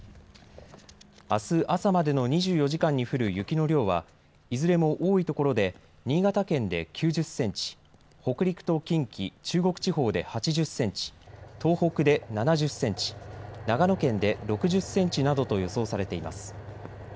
あす朝までの２４時間に降る雪の量はいずれも多いところで新潟県で９０センチ、北陸と近畿、中国地方で８０センチ、東北で７０センチ、長野県で６０センチなどと予想されています。